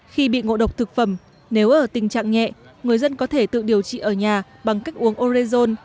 khi bị ngộ độc thực phẩm nếu ở tình trạng nhẹ người dân có thể tự điều trị ở nhà bằng cách uống orezon